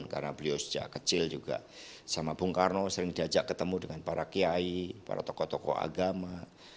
karena beliau sejak kecil juga sama bung karno sering diajak ketemu dengan para kiai para tokoh tokoh agama